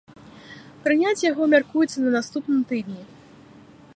Прыняць яго мяркуецца на наступным тыдні.